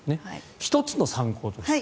１つの参考として。